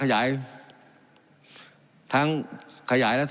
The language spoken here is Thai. การปรับปรุงทางพื้นฐานสนามบิน